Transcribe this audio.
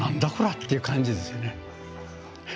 ⁉っていう感じですよね。